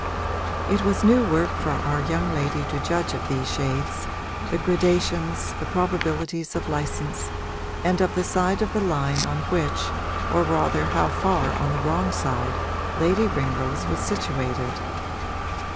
It was new work for our young lady to judge of these shades the gradations, the probabilities of license, and of the side of the line on which, or rather how far on the wrong side, Lady Ringrose was situated.